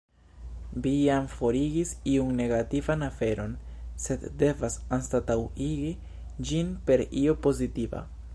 Vi jam forigis iun negativan aferon, sed devas anstataŭigi ĝin per io pozitiva.